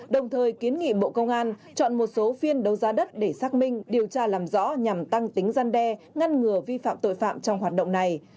đồng thời kiến nghị bộ công an chọn một số phiên đấu giá đất để xác minh điều tra làm rõ nhằm tăng tính gian đe ngăn ngừa vi phạm tội phạm trong hoạt động này